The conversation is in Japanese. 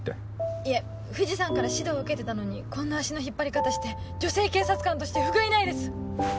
いえ藤さんから指導受けてたのにこんな足の引っ張り方して女性警察官としてふがいないです。